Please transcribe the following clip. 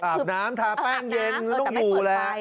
อาบน้ำทาแป้งเย็นต้องอยู่แล้ว